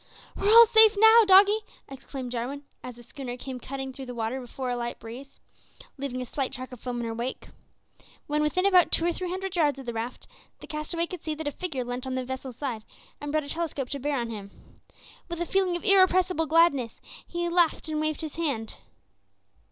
"We're all safe now, doggie," exclaimed Jarwin, as the schooner came cutting through the water before a light breeze, leaving a slight track of foam in her wake. When within about two or three hundred yards of the raft, the castaway could see that a figure leant on the vessel's side and brought a telescope to bear on him. With a feeling of irrepressible gladness he laughed and waved his hand.